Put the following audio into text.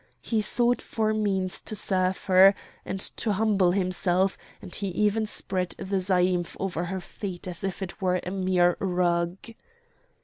He sought for means to serve her, and to humble himself, and he even spread the zaïmph over her feet as if it were a mere rug.